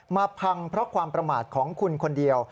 มาพังเพราะความประมาทของคุณคนเดียว